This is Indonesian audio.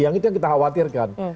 yang itu yang kita khawatirkan